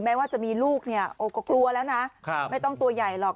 ว่าจะมีลูกเนี่ยโอ้ก็กลัวแล้วนะไม่ต้องตัวใหญ่หรอก